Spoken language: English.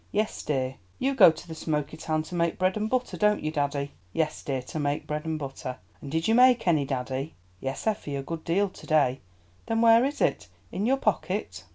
"Yes, dear." "You go to the Smoky Town to make bread and butter, don't you, daddy?" "Yes, dear, to make bread and butter." "And did you make any, daddy?" "Yes, Effie, a good deal to day." "Then where is it? In your pocket?"